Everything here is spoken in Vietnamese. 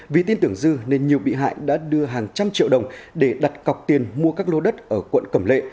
vì tin tưởng dư nên nhiều bị hại đã đưa hàng trăm triệu đồng để đặt cọc tiền mua các lô đất ở quận cẩm lệ